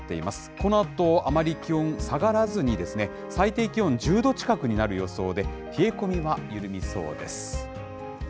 このあと、あまり気温、下がらずに、最低気温１０度近くになる予想で、冷え込みは緩みそうです。